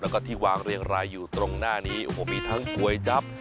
แล้วก็ที่วางเรียงรายอยู่ตรงหน้านี้โอ้โหมีทั้งก๋วยจับ